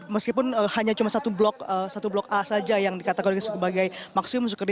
meskipun hanya cuma satu blok a saja yang dikategorikan sebagai maksimum